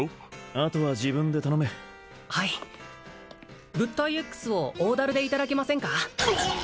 あとは自分で頼めはい物体Ｘを大樽でいただけませんか？